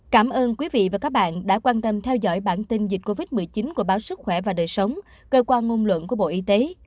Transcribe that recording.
cảm ơn quý vị và các bạn đã quan tâm theo dõi bản tin dịch covid một mươi chín của báo sức khỏe và đời sống cơ quan ngôn luận của bộ y tế